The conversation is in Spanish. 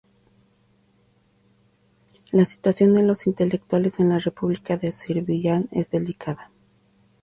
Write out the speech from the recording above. La situación de los intelectuales en la República de Azerbaiyán es delicada.